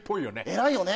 偉いよね